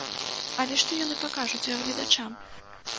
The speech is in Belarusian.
Але што яны пакажуць гледачам?